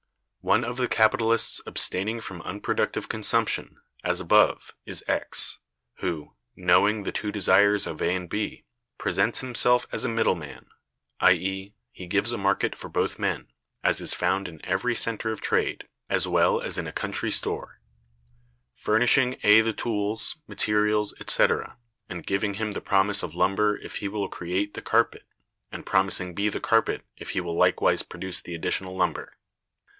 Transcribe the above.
One of the capitalists abstaining from unproductive consumption, as above, is X, who, knowing the two desires of A and B, presents himself as a middle man (i.e., he gives a market for both men, as is found in every center of trade, as well as in a country store), furnishing A the tools, materials, etc., and giving him the promise of lumber if he will create the carpet, and promising B the carpet if he will likewise produce the additional lumber.